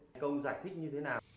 câu giải thích như thế nào